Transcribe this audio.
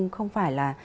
không phải là